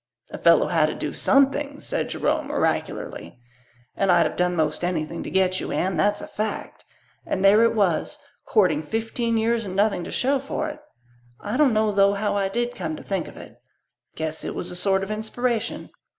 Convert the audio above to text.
"A fellow had to do something," said Jerome oracularly, "and I'd have done most anything to get you, Anne, that's a fact. And there it was courting fifteen years and nothing to show for it. I dunno, though, how I did come to think of it. Guess it was a sort of inspiration.